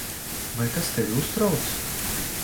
Vai tas tevi uztrauc?